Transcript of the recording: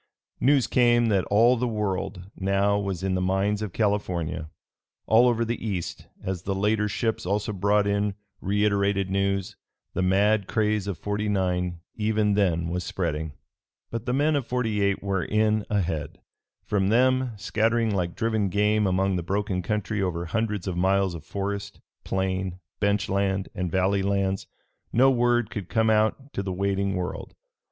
News came that all the World now was in the mines of California. All over the East, as the later ships also brought in reiterated news, the mad craze of '49 even then was spreading. But the men of '48 were in ahead. From them, scattering like driven game among the broken country over hundreds of miles of forest, plain, bench land and valley lands, no word could come out to the waiting world.